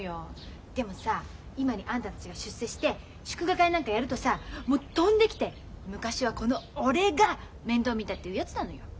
でもさ今にあんたたちが出世して祝賀会なんかやるとさもう飛んできて昔はこの俺が面倒見たって言うやつなのよ。